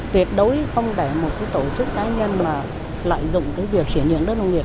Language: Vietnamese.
tuyệt đối không để một tổ chức cá nhân lợi dụng việc chuyển nhượng đất nông nghiệp